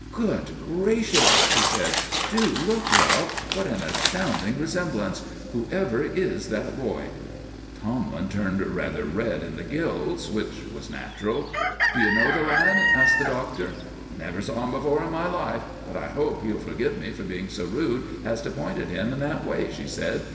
"Good gracious!" she said, "do look Ralph! What an astounding resemblance! Whoever is that boy?" Tomlin turned rather red in the gills, which was natural. "Do you know the lad?" asked the Doctor. "Never saw him before in my life; but I hope he'll forgive me for being so rude as to point at him in that way," she said.